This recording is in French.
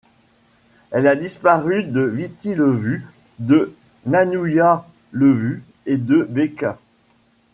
Elle a disparu de Viti Levu, de Nanuya Levu et de Beqa.